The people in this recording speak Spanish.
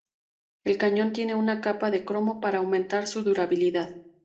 El cañón tiene una capa de cromo para aumentar su durabilidad.